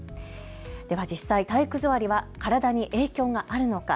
では実際、体育座りは体に影響があるのか。